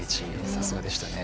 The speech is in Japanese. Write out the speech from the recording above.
さすがでしたね。